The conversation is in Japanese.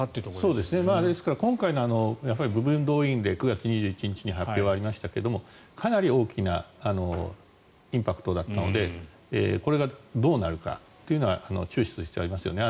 ですから今回の部分動員令９月２１日に発表がありましたがかなり大きなインパクトだったのでこれがどうなるかというのは注視する必要がありますよね。